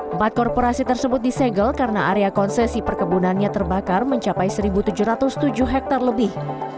empat korporasi tersebut disegel karena area konsesi perkebunannya terbakar mencapai satu tujuh ratus tujuh hektare lebih